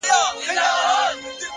• او ما په هغه پسي اقتداء کړې ده ,